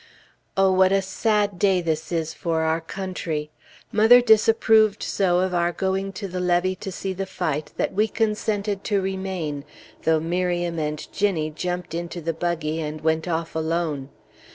Oh, what a sad day this is for our country! Mother disapproved so of our going to the levee to see the fight, that we consented to remain, though Miriam and Ginnie jumped into the buggy and went off alone.